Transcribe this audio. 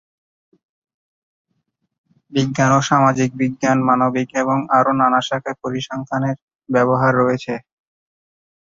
বিজ্ঞান ও সামাজিক বিজ্ঞান, মানবিক এবং আরো নানা শাখায় পরিসংখ্যানের ব্যবহার রয়েছে।